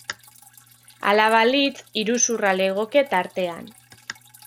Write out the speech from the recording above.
Hala balitz, iruzurra legoke tartean.